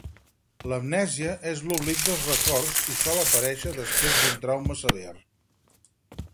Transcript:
L'amnèsia és l'oblit dels records i sol aparèixer després d'un trauma sever.